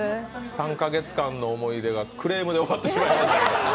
３か月間の思い出がクレームで終わってしまいました。